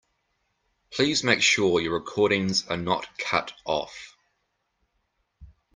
Please make sure your recordings are not cut off.